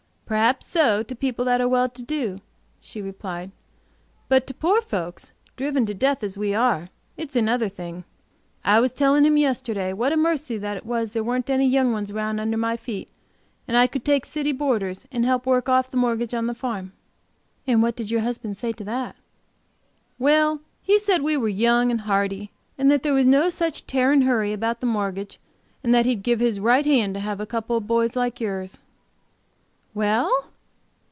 "Perhaps so, to people that are well to do," she replied; "but to poor folks, driven to death as we are, it's another thing. I was telling him yesterday what a mercy it was there wasn't any young ones round under my feet, and I could take city boarders, and help work off the mortgage on the farm." "And what did your husband say to that?" "Well, he said we were young and hearty, and there was no such tearing hurry about the mortgage and that he'd give his right hand to have a couple of boys like yours." "Well?"